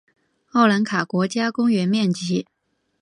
奥兰卡国家公园面积。